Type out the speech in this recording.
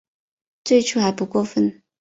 最初还不过分